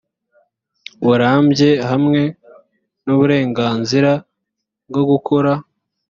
burambye hamwe n uburenganzira bwo gukora